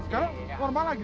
sekarang warna apa lagi